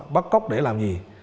bắt cóc để làm gì